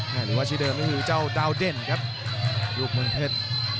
หรือว่าชื่อเดิมก็คือเจ้าดาวเด่นครับลูกเมืองเพชร